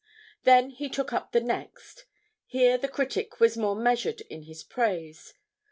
Then he took up the next. Here the critic was more measured in his praise.